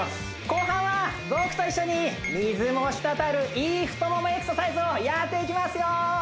後半は僕と一緒に水も滴るいい太モモエクササイズをやっていきますよ！